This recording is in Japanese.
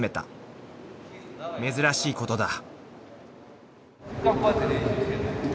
［珍しいことだ］